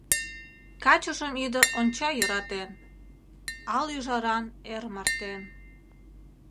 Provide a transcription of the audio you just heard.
Качыжым ӱдыр онча йӧратен Ал ӱжаран эр мартен.